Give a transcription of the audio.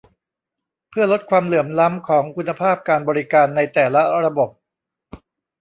เพื่อลดความเหลื่อมล้ำของคุณภาพการบริการ ในแต่ละระบบ